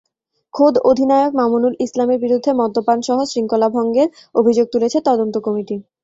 খোদ অধিনায়ক মামুনুল ইসলামের বিরুদ্ধে মদ্যপানসহ শৃঙ্খলাভঙ্গের অভিযোগ তুলেছে তদন্ত কমিটি।